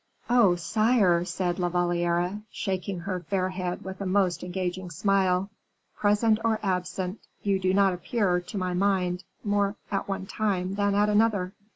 "Oh, sire!" said La Valliere, shaking her fair head with a most engaging smile, "present or absent, you do not appear to my mind more at one time than at another."